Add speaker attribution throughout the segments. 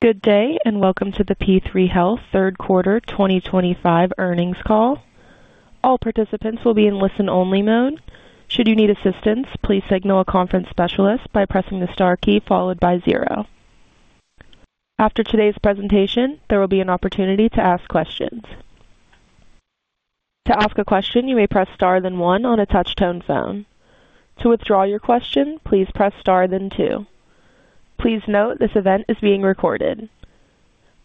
Speaker 1: Good day and Welcome to the P3 Health Partners Third Quarter 2025 earnings call. All participants will be in listen-only mode. Should you need assistance, please signal a conference specialist by pressing the star key followed by zero. After today's presentation, there will be an opportunity to ask questions. To ask a question, you may press star then one on a touch-tone phone. To withdraw your question, please press star then two. Please note this event is being recorded.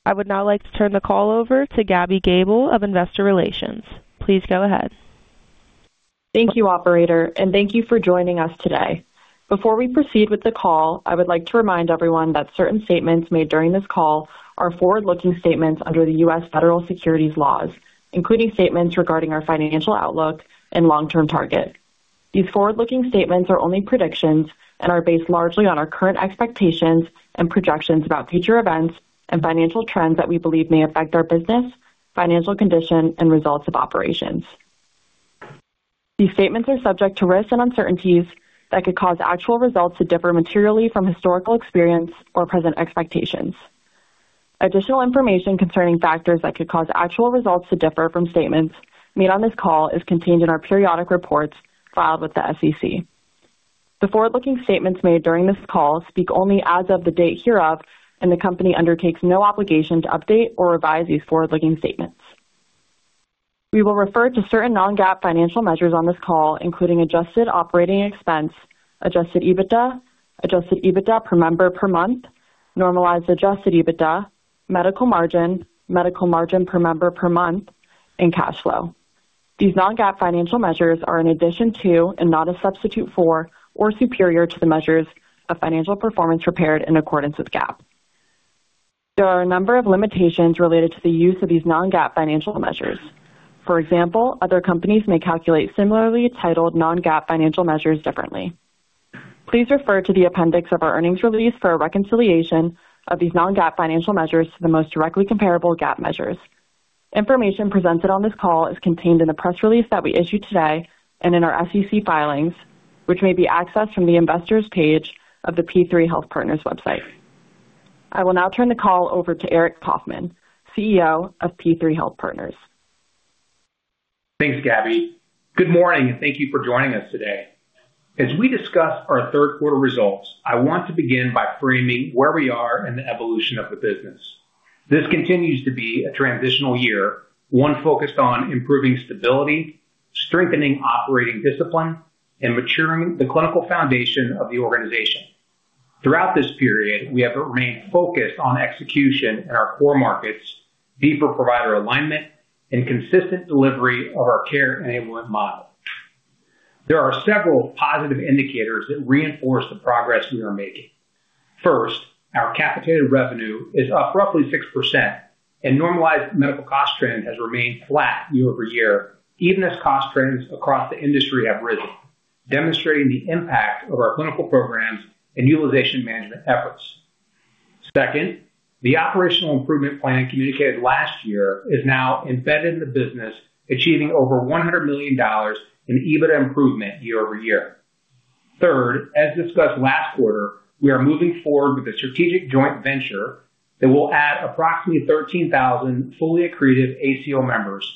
Speaker 1: I would now like to turn the call over to Gabby Gable of Investor Relations. Please go ahead.
Speaker 2: Thank you, Operator, and thank you for joining us today. Before we proceed with the call, I would like to remind everyone that certain statements made during this call are forward-looking statements under the U.S. federal securities laws, including statements regarding our financial outlook and long-term target. These forward-looking statements are only predictions and are based largely on our current expectations and projections about future events and financial trends that we believe may affect our business, financial condition, and results of operations. These statements are subject to risks and uncertainties that could cause actual results to differ materially from historical experience or present expectations. Additional information concerning factors that could cause actual results to differ from statements made on this call is contained in our periodic reports filed with the SEC. The forward-looking statements made during this call speak only as of the date hereof, and the company undertakes no obligation to update or revise these forward-looking statements. We will refer to certain non-GAAP financial measures on this call, including adjusted operating expense, adjusted EBITDA, adjusted EBITDA per member per month, normalized adjusted EBITDA, medical margin, medical margin per member per month, and cash flow. These non-GAAP financial measures are an addition to, and not a substitute for, or superior to the measures of financial performance prepared in accordance with GAAP. There are a number of limitations related to the use of these non-GAAP financial measures. For example, other companies may calculate similarly titled non-GAAP financial measures differently. Please refer to the appendix of our earnings release for a reconciliation of these non-GAAP financial measures to the most directly comparable GAAP measures. Information presented on this call is contained in the press release that we issued today and in our SEC filings, which may be accessed from the investors' page of the P3 Health Partners website. I will now turn the call over to Aric Coffman, CEO of P3 Health Partners.
Speaker 3: Thanks, Gabby. Good morning, and thank you for joining us today. As we discuss our third quarter results, I want to begin by framing where we are in the evolution of the business. This continues to be a transitional year, one focused on improving stability, strengthening operating discipline, and maturing the clinical foundation of the organization. Throughout this period, we have remained focused on execution in our core markets, deeper provider alignment, and consistent delivery of our care enablement model. There are several positive indicators that reinforce the progress we are making. First, our capitated revenue is up roughly 6%, and normalized medical cost trend has remained flat year-over-year, even as cost trends across the industry have risen, demonstrating the impact of our clinical programs and utilization management efforts. Second, the operational improvement plan communicated last year is now embedded in the business, achieving over $100 million in EBITDA improvement year-over-year. Third, as discussed last quarter, we are moving forward with a strategic joint venture that will add approximately 13,000 fully accredited ACO members,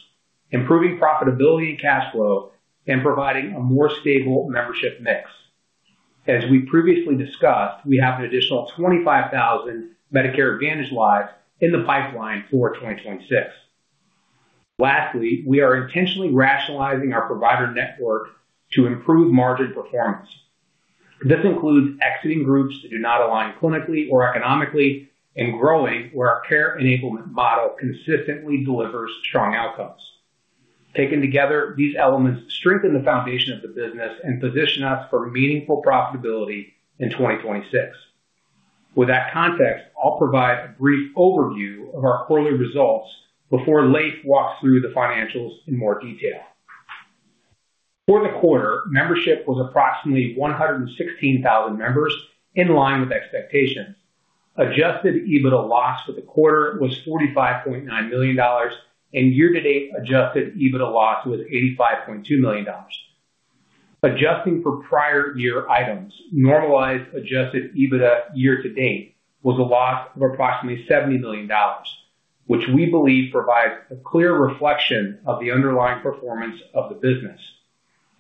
Speaker 3: improving profitability and cash flow, and providing a more stable membership mix. As we previously discussed, we have an additional 25,000 Medicare Advantage lives in the pipeline for 2026. Lastly, we are intentionally rationalizing our provider network to improve margin performance. This includes exiting groups that do not align clinically or economically and growing where our care enablement model consistently delivers strong outcomes. Taken together, these elements strengthen the foundation of the business and position us for meaningful profitability in 2026. With that context, I'll provide a brief overview of our quarterly results before Leif walks through the financials in more detail. For the quarter, membership was approximately 116,000 members, in line with expectations. Adjusted EBITDA loss for the quarter was $45.9 million, and year-to-date adjusted EBITDA loss was $85.2 million. Adjusting for prior year items, normalized adjusted EBITDA year-to-date was a loss of approximately $70 million, which we believe provides a clear reflection of the underlying performance of the business.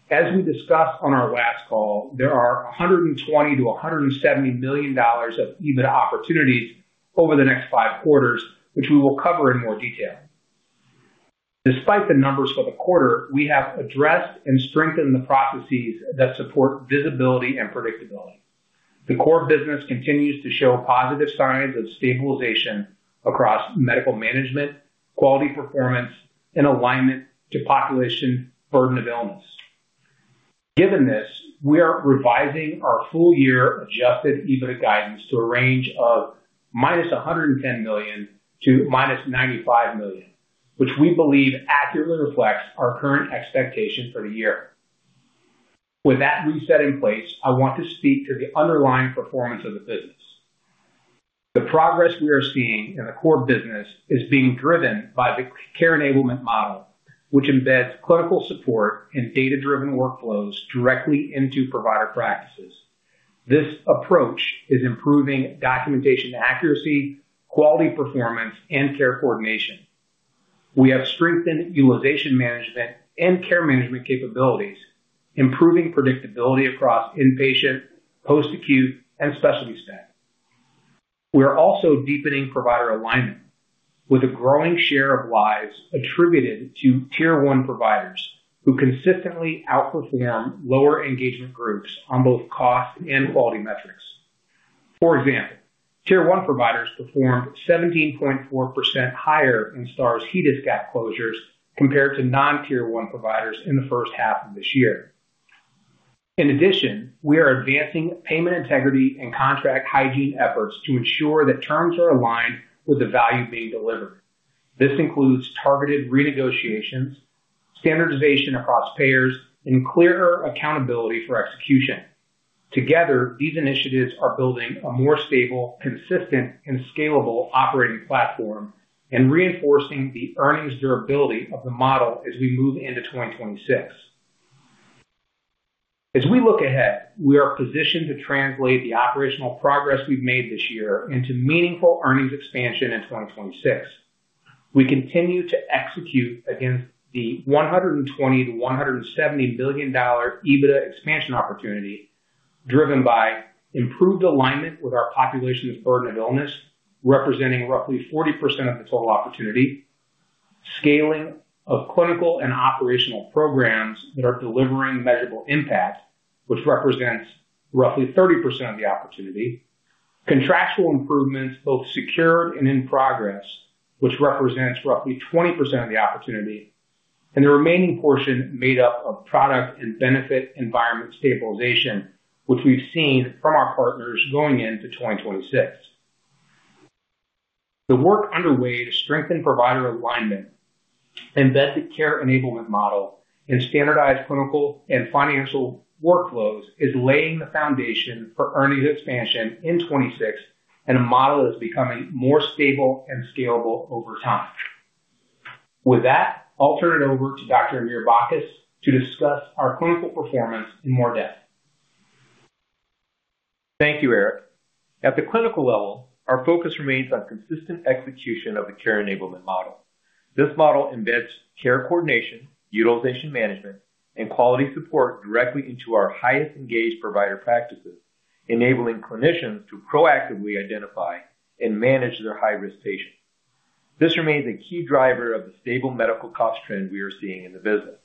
Speaker 3: As we discussed on our last call, there are $120 million-$170 million of EBITDA opportunities over the next five quarters, which we will cover in more detail. Despite the numbers for the quarter, we have addressed and strengthened the processes that support visibility and predictability. The core business continues to show positive signs of stabilization across medical management, quality performance, and alignment to population burden of illness. Given this, we are revising our full-year adjusted EBITDA guidance to a range of -$110 million to -$95 million, which we believe accurately reflects our current expectation for the year. With that reset in place, I want to speak to the underlying performance of the business. The progress we are seeing in the core business is being driven by the care enablement model, which embeds clinical support and data-driven workflows directly into provider practices. This approach is improving documentation accuracy, quality performance, and care coordination. We have strengthened utilization management and care management capabilities, improving predictability across inpatient, post-acute, and specialty spend. We are also deepening provider alignment with a growing share of lives attributed to tier one providers who consistently outperform lower engagement groups on both cost and quality metrics. For example, tier one providers performed 17.4% higher in STARS HEDIS gap closures compared to non-tier one providers in the first half of this year. In addition, we are advancing payment integrity and contract hygiene efforts to ensure that terms are aligned with the value being delivered. This includes targeted renegotiations, standardization across payers, and clearer accountability for execution. Together, these initiatives are building a more stable, consistent, and scalable operating platform and reinforcing the earnings durability of the model as we move into 2026. As we look ahead, we are positioned to translate the operational progress we've made this year into meaningful earnings expansion in 2026. We continue to execute against the $120 million-$170 million EBITDA expansion opportunity driven by improved alignment with our population's burden of illness, representing roughly 40% of the total opportunity, scaling of clinical and operational programs that are delivering measurable impact, which represents roughly 30% of the opportunity, contractual improvements both secured and in progress, which represents roughly 20% of the opportunity, and the remaining portion made up of product and benefit environment stabilization, which we've seen from our partners going into 2026. The work underway to strengthen provider alignment, embed the care enablement model, and standardize clinical and financial workflows is laying the foundation for earnings expansion in 2026, and the model is becoming more stable and scalable over time. With that, I'll turn it over to Dr. Amir Bacchus to discuss our clinical performance in more depth.
Speaker 4: Thank you, Aric. At the clinical level, our focus remains on consistent execution of the care enablement model. This model embeds care coordination, utilization management, and quality support directly into our highest engaged provider practices, enabling clinicians to proactively identify and manage their high-risk patients. This remains a key driver of the stable medical cost trend we are seeing in the business.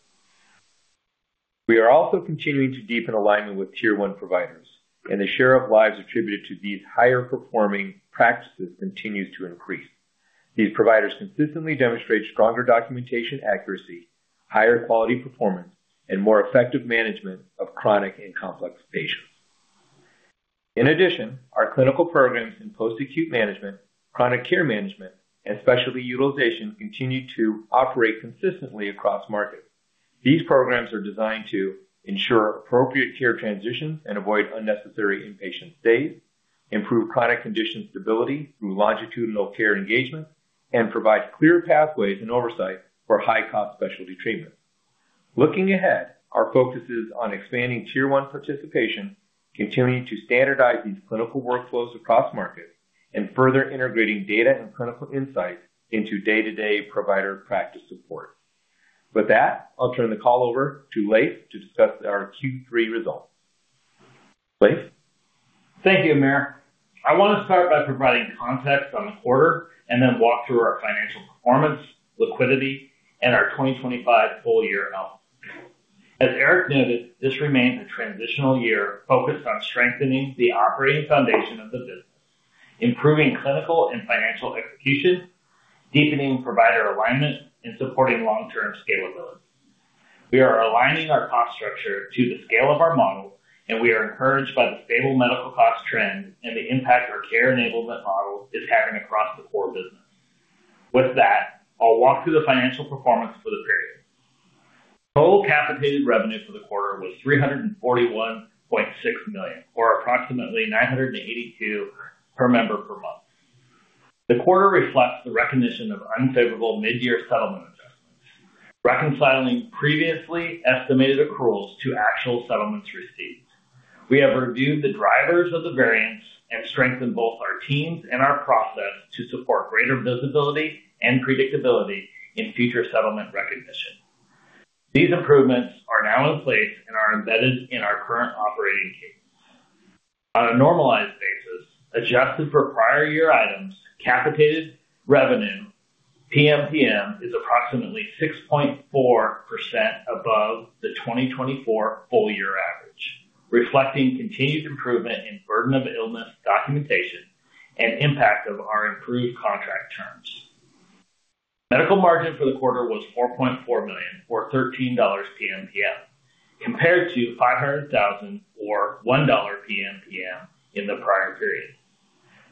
Speaker 4: We are also continuing to deepen alignment with tier one providers, and the share of lives attributed to these higher-performing practices continues to increase. These providers consistently demonstrate stronger documentation accuracy, higher quality performance, and more effective management of chronic and complex patients. In addition, our clinical programs in post-acute management, chronic care management, and specialty utilization continue to operate consistently across markets. These programs are designed to ensure appropriate care transitions and avoid unnecessary inpatient stays, improve chronic condition stability through longitudinal care engagement, and provide clear pathways and oversight for high-cost specialty treatment. Looking ahead, our focus is on expanding tier one participation, continuing to standardize these clinical workflows across markets, and further integrating data and clinical insights into day-to-day provider practice support. With that, I'll turn the call over to Leif to discuss our Q3 results. Leif?
Speaker 5: Thank you, Amir. I want to start by providing context on the quarter and then walk through our financial performance, liquidity, and our 2025 full-year outlook. As Aric noted, this remains a transitional year focused on strengthening the operating foundation of the business, improving clinical and financial execution, deepening provider alignment, and supporting long-term scalability. We are aligning our cost structure to the scale of our model, and we are encouraged by the stable medical cost trend and the impact our care enablement model is having across the core business. With that, I'll walk through the financial performance for the period. Total capitated revenue for the quarter was $341.6 million, or approximately $982 per member per month. The quarter reflects the recognition of unfavorable mid-year settlement adjustments, reconciling previously estimated accruals to actual settlements received. We have reviewed the drivers of the variance and strengthened both our teams and our process to support greater visibility and predictability in future settlement recognition. These improvements are now in place and are embedded in our current operating cadence. On a normalized basis, adjusted for prior year items, capitated revenue, PMPM, is approximately 6.4% above the 2024 full-year average, reflecting continued improvement in burden of illness documentation and impact of our improved contract terms. Medical margin for the quarter was $4.4 million, or $13 PMPM, compared to $500,000 or $1 PMPM in the prior period.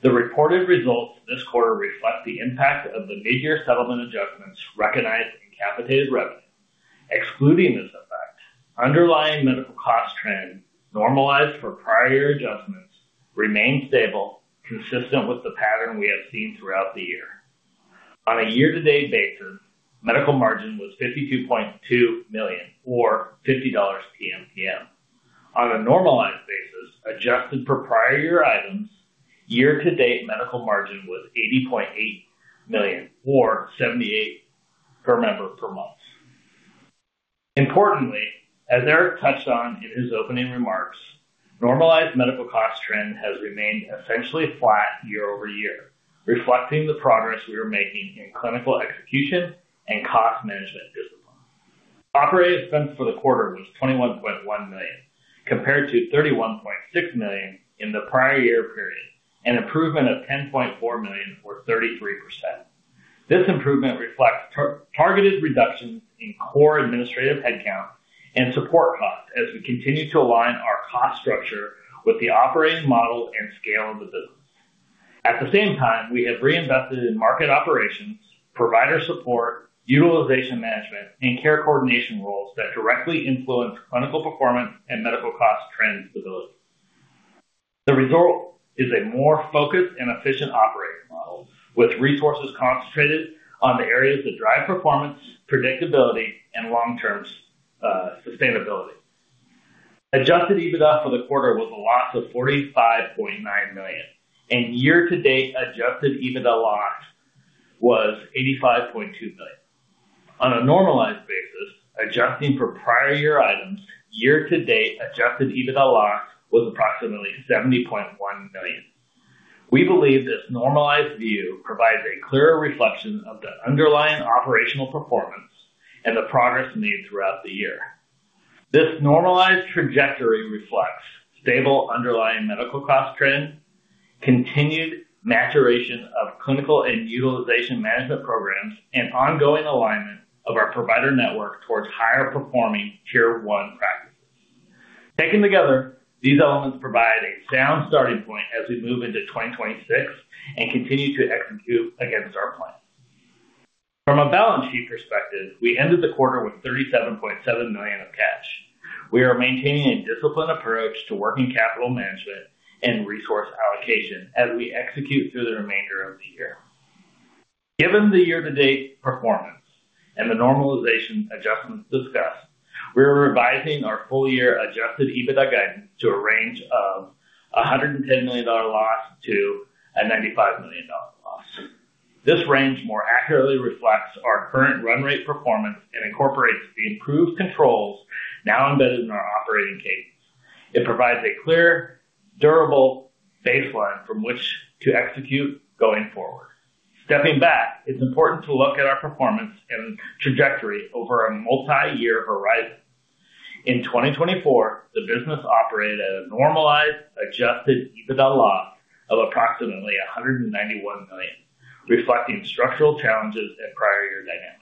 Speaker 5: The reported results this quarter reflect the impact of the mid-year settlement adjustments recognized in capitated revenue. Excluding this effect, underlying medical cost trend normalized for prior year adjustments remained stable, consistent with the pattern we have seen throughout the year. On a year-to-date basis, medical margin was $52.2 million, or $50 PMPM. On a normalized basis, adjusted for prior year items, year-to-date medical margin was $80.8 million, or $78 per member per month. Importantly, as Aric touched on in his opening remarks, normalized medical cost trend has remained essentially flat year-over-year, reflecting the progress we are making in clinical execution and cost management discipline. Operating expense for the quarter was $21.1 million, compared to $31.6 million in the prior year period, an improvement of $10.4 million, or 33%. This improvement reflects targeted reductions in core administrative headcount and support costs as we continue to align our cost structure with the operating model and scale of the business. At the same time, we have reinvested in market operations, provider support, utilization management, and care coordination roles that directly influence clinical performance and medical cost trend stability. The result is a more focused and efficient operating model with resources concentrated on the areas that drive performance, predictability, and long-term sustainability. Adjusted EBITDA for the quarter was a loss of $45.9 million, and year-to-date adjusted EBITDA loss was $85.2 million. On a normalized basis, adjusting for prior year items, year-to-date adjusted EBITDA loss was approximately $70.1 million. We believe this normalized view provides a clearer reflection of the underlying operational performance and the progress made throughout the year. This normalized trajectory reflects stable underlying medical cost trend, continued maturation of clinical and utilization management programs, and ongoing alignment of our provider network towards higher-performing tier one practices. Taken together, these elements provide a sound starting point as we move into 2026 and continue to execute against our plan. From a balance sheet perspective, we ended the quarter with $37.7 million of cash. We are maintaining a disciplined approach to working capital management and resource allocation as we execute through the remainder of the year. Given the year-to-date performance and the normalization adjustments discussed, we are revising our full-year adjusted EBITDA guidance to a range of $110 million loss to a $95 million loss. This range more accurately reflects our current run rate performance and incorporates the improved controls now embedded in our operating cadence. It provides a clear, durable baseline from which to execute going forward. Stepping back, it's important to look at our performance and trajectory over a multi-year horizon. In 2024, the business operated at a normalized adjusted EBITDA loss of approximately $191 million, reflecting structural challenges and prior year dynamics.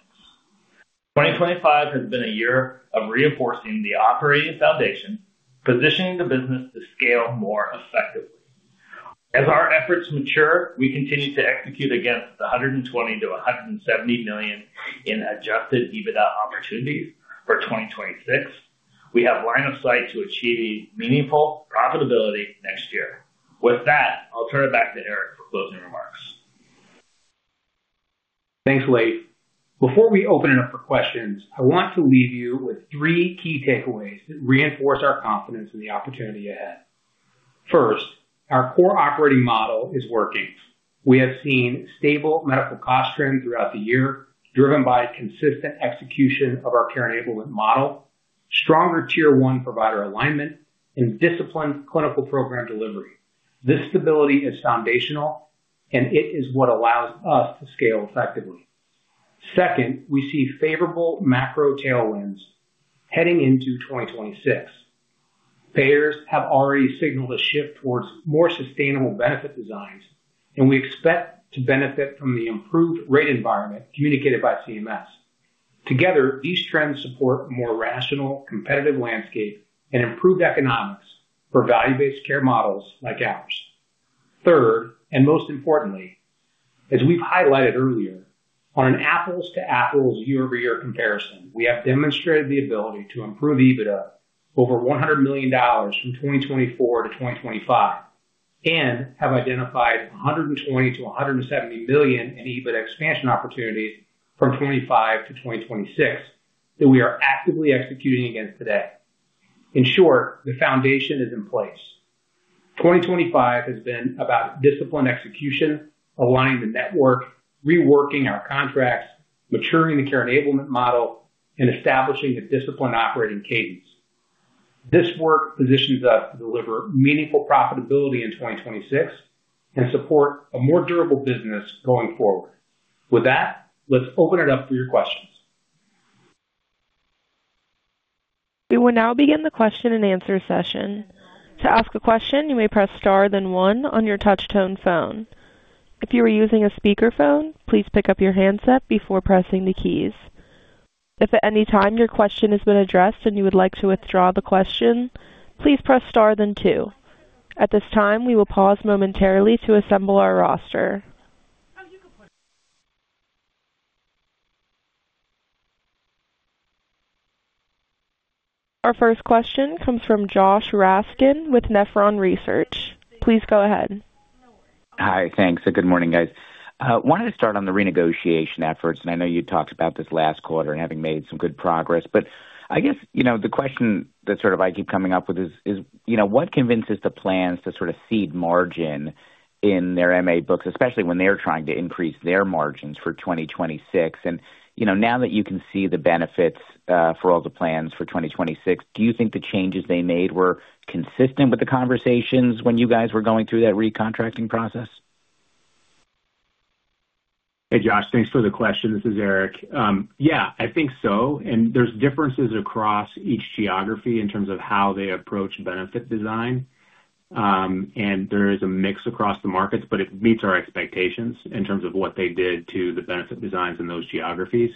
Speaker 5: 2025 has been a year of reinforcing the operating foundation, positioning the business to scale more effectively. As our efforts mature, we continue to execute against the $120 million-$170 million in adjusted EBITDA opportunities for 2026. We have line of sight to achieve meaningful profitability next year. With that, I'll turn it back to Aric for closing remarks.
Speaker 3: Thanks, Leif. Before we open it up for questions, I want to leave you with three key takeaways that reinforce our confidence in the opportunity ahead. First, our core operating model is working. We have seen stable medical cost trend throughout the year, driven by consistent execution of our care enablement model, stronger tier one provider alignment, and disciplined clinical program delivery. This stability is foundational, and it is what allows us to scale effectively. Second, we see favorable macro tailwinds heading into 2026. Payers have already signaled a shift towards more sustainable benefit designs, and we expect to benefit from the improved rate environment communicated by CMS. Together, these trends support a more rational, competitive landscape and improved economics for value-based care models like ours. Third, and most importantly, as we've highlighted earlier, on an apples-to-apples year-over-year comparison, we have demonstrated the ability to improve EBITDA over $100 million from 2024 - 2025 and have identified $120 million-$170 million in EBITDA expansion opportunities from 2025 to 2026 that we are actively executing against today. In short, the foundation is in place. 2025 has been about discipline execution, aligning the network, reworking our contracts, maturing the care enablement model, and establishing the disciplined operating cadence. This work positions us to deliver meaningful profitability in 2026 and support a more durable business going forward. With that, let's open it up for your questions.
Speaker 1: We will now begin the question and answer session. To ask a question, you may press star then one on your touch-tone phone. If you are using a speakerphone, please pick up your handset before pressing the keys. If at any time your question has been addressed and you would like to withdraw the question, please press star then two. At this time, we will pause momentarily to assemble our roster. Our first question comes from Josh Raskin with Nephron Research. Please go ahead.
Speaker 6: Hi, thanks. Good morning, guys. I wanted to start on the renegotiation efforts, and I know you talked about this last quarter and having made some good progress, but I guess the question that sort of I keep coming up with is, what convinces the plans to sort of cede margin in their M&A books, especially when they're trying to increase their margins for 2026? And now that you can see the benefits for all the plans for 2026, do you think the changes they made were consistent with the conversations when you guys were going through that recontracting process?
Speaker 3: Hey, Josh, thanks for the question. This is Aric. Yeah, I think so. There are differences across each geography in terms of how they approach benefit design. There is a mix across the markets, but it meets our expectations in terms of what they did to the benefit designs in those geographies.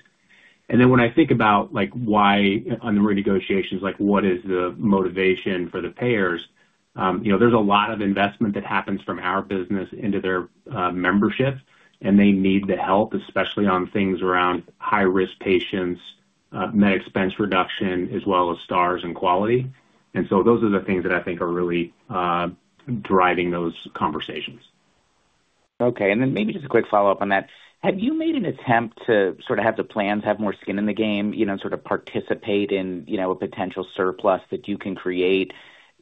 Speaker 3: When I think about why on the renegotiations, what is the motivation for the payers? There is a lot of investment that happens from our business into their membership, and they need the help, especially on things around high-risk patients, med expense reduction, as well as STARS and quality. Those are the things that I think are really driving those conversations.
Speaker 6: Okay. And then maybe just a quick follow-up on that. Have you made an attempt to sort of have the plans have more skin in the game, sort of participate in a potential surplus that you can create,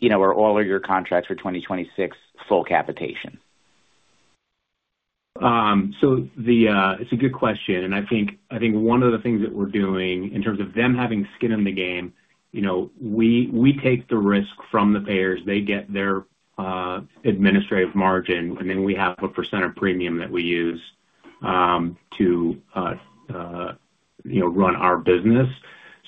Speaker 6: or are all of your contracts for 2026 full capitation?
Speaker 3: It's a good question. I think one of the things that we're doing in terms of them having skin in the game, we take the risk from the payers. They get their administrative margin, and then we have a % of premium that we use to run our business.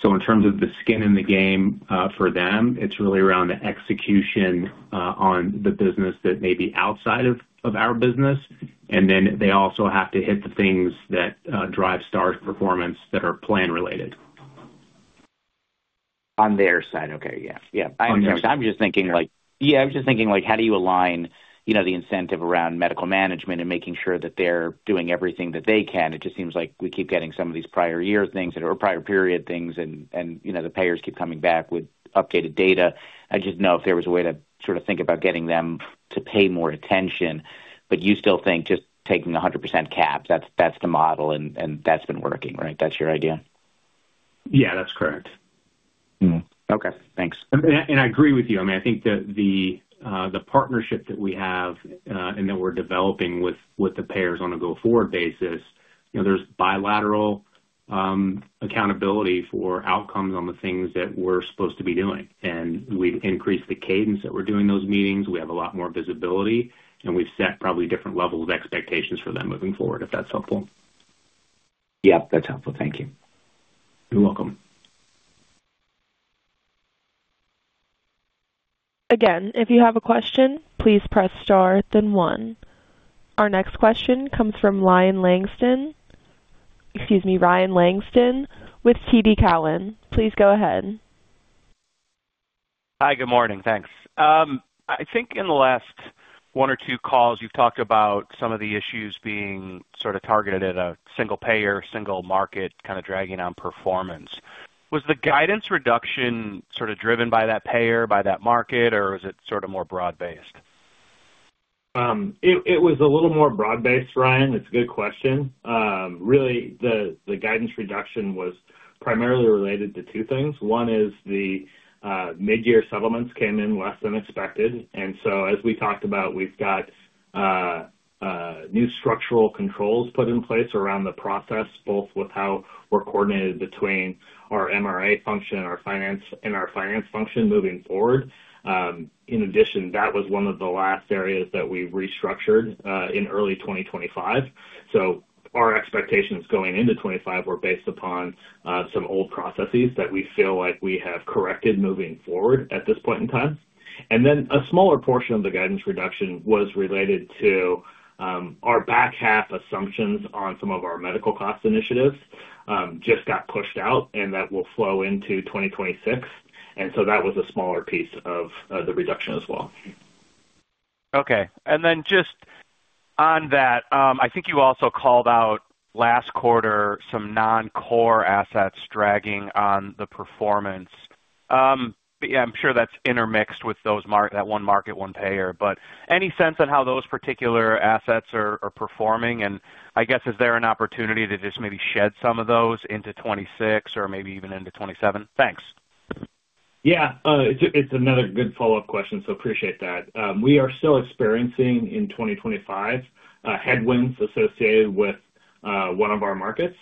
Speaker 3: In terms of the skin in the game for them, it's really around the execution on the business that may be outside of our business. They also have to hit the things that drive STARS performance that are plan-related.
Speaker 6: On their side. Okay. Yeah. Yeah. I'm just thinking, yeah, I was just thinking, how do you align the incentive around medical management and making sure that they're doing everything that they can? It just seems like we keep getting some of these prior year things or prior period things, and the payers keep coming back with updated data. I just know if there was a way to sort of think about getting them to pay more attention. You still think just taking 100% caps, that's the model, and that's been working, right? That's your idea?
Speaker 3: Yeah, that's correct.
Speaker 6: Okay. Thanks.
Speaker 3: I agree with you. I mean, I think the partnership that we have and that we're developing with the payers on a go-forward basis, there's bilateral accountability for outcomes on the things that we're supposed to be doing. We've increased the cadence that we're doing those meetings. We have a lot more visibility, and we've set probably different levels of expectations for them moving forward, if that's helpful.
Speaker 6: Yep, that's helpful. Thank you.
Speaker 3: You're welcome.
Speaker 1: Again, if you have a question, please press star then one. Our next question comes from Ryan Langston with TD Cowen. Please go ahead.
Speaker 7: Hi, good morning. Thanks. I think in the last one or two calls, you've talked about some of the issues being sort of targeted at a single payer, single market, kind of dragging on performance. Was the guidance reduction sort of driven by that payer, by that market, or was it sort of more broad-based?
Speaker 5: It was a little more broad-based, Ryan. It's a good question. Really, the guidance reduction was primarily related to two things. One is the mid-year settlements came in less than expected. As we talked about, we've got new structural controls put in place around the process, both with how we're coordinated between our MRA function and our finance function moving forward. In addition, that was one of the last areas that we restructured in early 2025. Our expectations going into 2025 were based upon some old processes that we feel like we have corrected moving forward at this point in time. A smaller portion of the guidance reduction was related to our back half assumptions on some of our medical cost initiatives just got pushed out, and that will flow into 2026. That was a smaller piece of the reduction as well.
Speaker 7: Okay. And then just on that, I think you also called out last quarter some non-core assets dragging on the performance. Yeah, I'm sure that's intermixed with that one market, one payer. Any sense on how those particular assets are performing? I guess, is there an opportunity to just maybe shed some of those into 2026 or maybe even into 2027? Thanks.
Speaker 5: Yeah. It's another good follow-up question, so appreciate that. We are still experiencing in 2025 headwinds associated with one of our markets.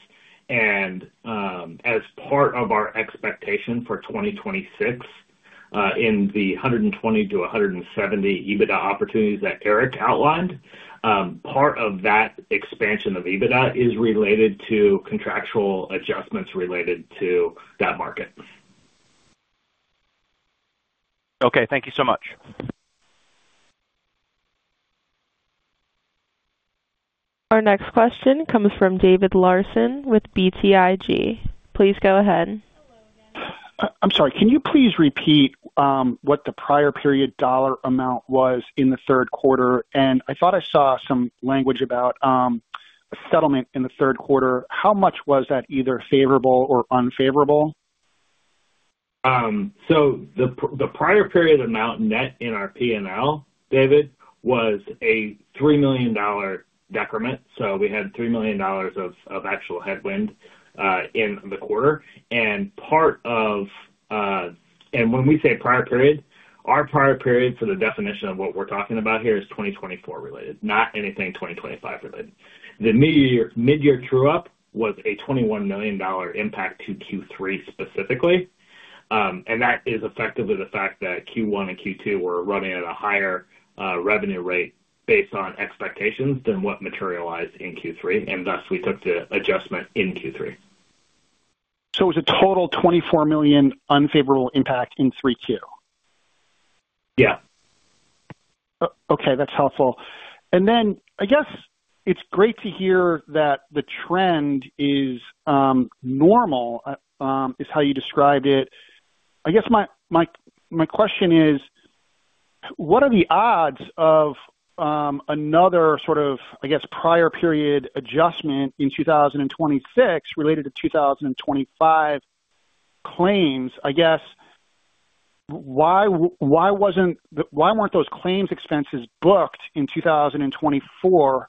Speaker 5: As part of our expectation for 2026, in the $120 million-$170 million EBITDA opportunities that Aric outlined, part of that expansion of EBITDA is related to contractual adjustments related to that market.
Speaker 7: Okay. Thank you so much.
Speaker 1: Our next question comes from David Larson with BTIG. Please go ahead.
Speaker 8: I'm sorry. Can you please repeat what the prior period dollar amount was in the third quarter? I thought I saw some language about a settlement in the third quarter. How much was that either favorable or unfavorable?
Speaker 5: The prior period amount net in our P&L, David, was a $3 million decrement. We had $3 million of actual headwind in the quarter. Part of—and when we say prior period, our prior period for the definition of what we are talking about here is 2024 related, not anything 2025 related. The mid-year true-up was a $21 million impact to Q3 specifically. That is effectively the fact that Q1 and Q2 were running at a higher revenue rate based on expectations than what materialized in Q3. Thus, we took the adjustment in Q3.
Speaker 8: So it was a total $24 million unfavorable impact in 3Q?
Speaker 5: Yeah.
Speaker 8: Okay. That's helpful. I guess it's great to hear that the trend is normal, is how you described it. I guess my question is, what are the odds of another sort of, I guess, prior period adjustment in 2026 related to 2025 claims? I guess, why weren't those claims expenses booked in 2024?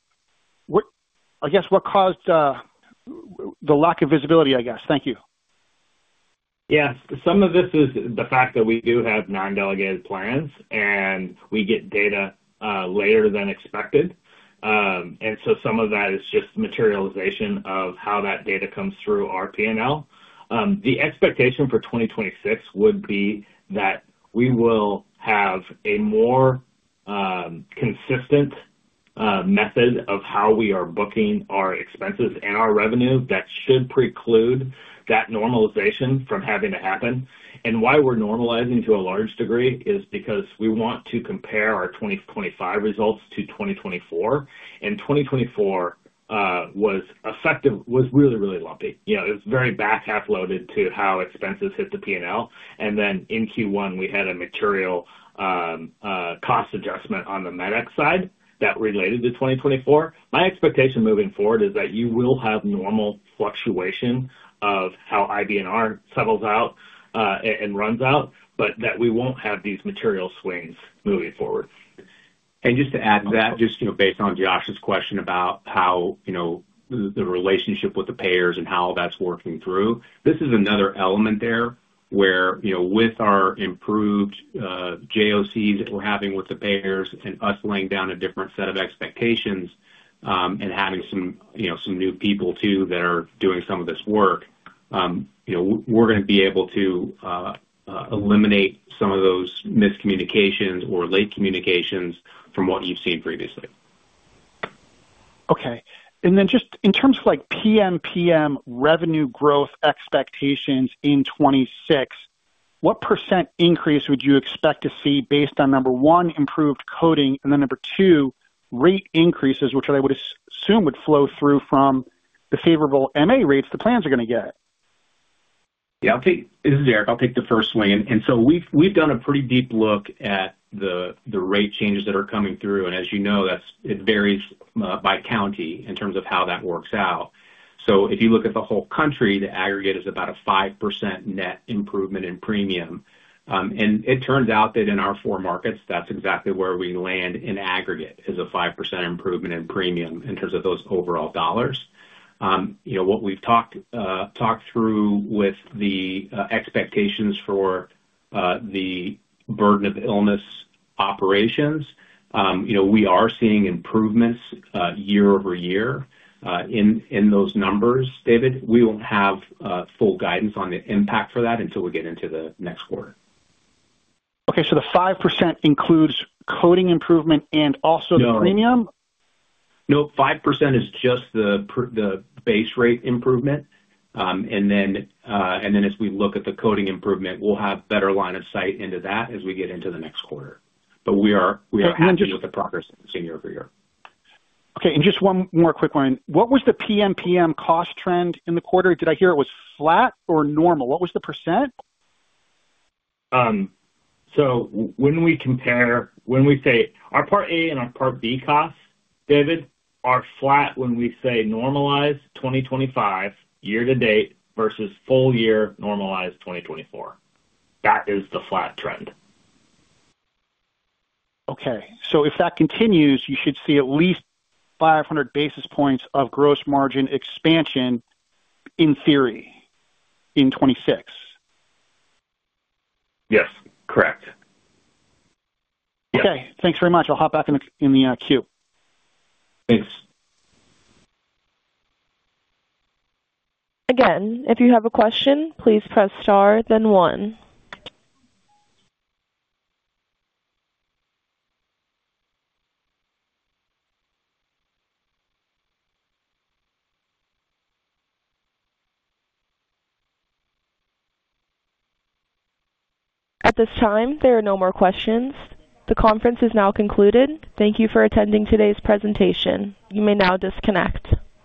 Speaker 8: I guess, what caused the lack of visibility, I guess? Thank you.
Speaker 5: Yeah. Some of this is the fact that we do have non-delegated plans, and we get data later than expected. Some of that is just materialization of how that data comes through our P&L. The expectation for 2026 would be that we will have a more consistent method of how we are booking our expenses and our revenue that should preclude that normalization from having to happen. Why we're normalizing to a large degree is because we want to compare our 2025 results to 2024. 2024 was really, really lumpy. It was very back half loaded to how expenses hit the P&L. In Q1, we had a material cost adjustment on the med ex side that related to 2024. My expectation moving forward is that you will have normal fluctuation of how IBNR settles out and runs out, but that we will not have these material swings moving forward.
Speaker 3: Just to add to that, just based on Josh's question about how the relationship with the payers and how that is working through, this is another element there where with our improved JOCs that we are having with the payers and us laying down a different set of expectations and having some new people too that are doing some of this work, we are going to be able to eliminate some of those miscommunications or late communications from what you have seen previously.
Speaker 8: Okay. In terms of PMPM revenue growth expectations in 2026, what percent increase would you expect to see based on, number one, improved coding, and then number two, rate increases, which I would assume would flow through from the favorable MA rates the plans are going to get?
Speaker 3: Yeah. This is Aric. I'll take the first swing. We've done a pretty deep look at the rate changes that are coming through. As you know, it varies by county in terms of how that works out. If you look at the whole country, the aggregate is about a 5% net improvement in premium. It turns out that in our four markets, that's exactly where we land in aggregate as a 5% improvement in premium in terms of those overall dollars. What we've talked through with the expectations for the burden of illness operations, we are seeing improvements year-over-year in those numbers, David. We won't have full guidance on the impact for that until we get into the next quarter.
Speaker 8: Okay. So the 5% includes coding improvement and also the premium?
Speaker 3: No, 5% is just the base rate improvement. As we look at the coding improvement, we'll have better line of sight into that as we get into the next quarter. We are happy with the progress seen year-over-year.
Speaker 8: Okay. And just one more quick one. What was the PMPM cost trend in the quarter? Did I hear it was flat or normal? What was the percent?
Speaker 5: When we compare, when we say our Part A and our Part B costs, David, are flat when we say normalized 2025 year to date versus full year normalized 2024. That is the flat trend.
Speaker 8: Okay. If that continues, you should see at least 500 basis points of gross margin expansion in theory in 2026.
Speaker 5: Yes. Correct. Yes.
Speaker 8: Okay. Thanks very much. I'll hop back in the queue.
Speaker 5: Thanks.
Speaker 1: Again, if you have a question, please press star then one. At this time, there are no more questions. The conference is now concluded. Thank you for attending today's presentation. You may now disconnect.